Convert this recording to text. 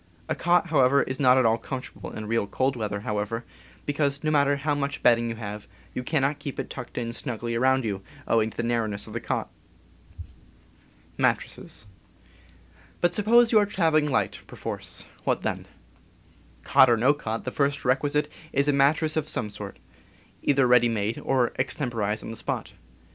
A cot, however, is not at all comfort able in real cold weather, because, no matter how much bedding you have, you cannot keep it tucked in snugly around you, owing to the narrowness of the cot. 24 CAMPING AND WOODCRAFT But suppose you are traveling light, perforce — what then ? Cot or no cot, the first requisite is a mattress of ,_^^ some sort, either ready made or extern Mattresses. .,., X A • ponzed on the spot.